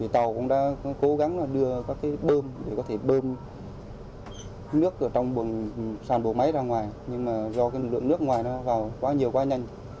tàu cũng đã cố gắng đưa các bơm để có thể bơm nước trong sàn bộ máy ra ngoài nhưng mà do lượng nước ngoài vào quá nhiều quá nhanh